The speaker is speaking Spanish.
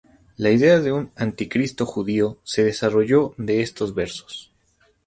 La idea de un Anticristo judío se desarrolló de estos versos.